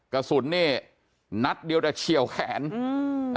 กระสุนนี่นัดเดียวแต่เฉียวแขนอืม